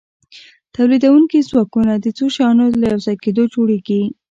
تولیدونکي ځواکونه د څو شیانو له یوځای کیدو جوړیږي.